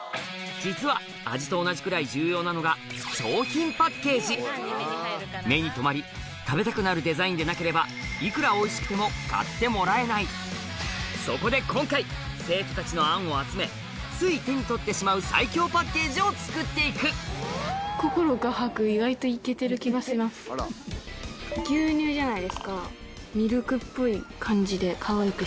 実は味と同じくらい重要なのが目に留まり食べたくなるデザインでなければいくらおいしくても買ってもらえないそこで今回生徒たちの案を集めつい手に取ってしまう最強パッケージを作って行く牛乳じゃないですか。